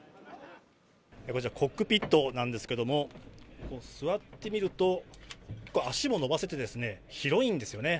こちら、コックピットなんですけれども、座ってみると、脚も伸ばせて広いんですよね。